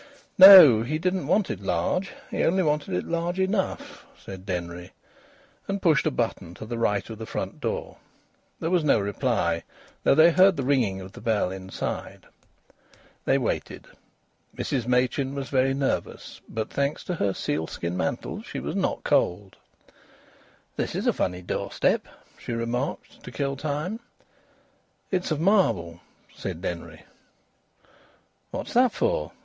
"No! He didn't want it large. He only wanted it large enough," said Denry, and pushed a button to the right of the front door. There was no reply, though they heard the ringing of the bell inside. They waited. Mrs Machin was very nervous, but thanks to her sealskin mantle she was not cold. "This is a funny doorstep," she remarked, to kill time. "It's of marble," said Denry. "What's that for?"